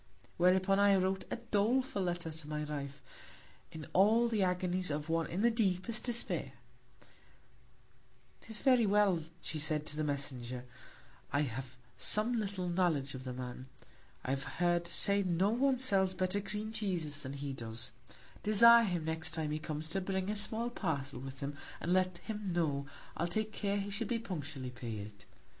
Whereupon I wrote a doleful Letter to my Wife, in all the Agonies of one in the deepest Despair: 'Tis very well, said she, to the Messenger; I have some little Knowledge of the Man; I have heard say no one sells better Cream Cheeses than he does; desire him, next Time he comes, to bring a small Parcel with him, and let him know, I'll take care he shall be punctually paid.